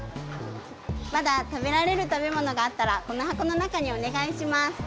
まだ食べられる食べ物があったらこのはこのなかにおねがいします！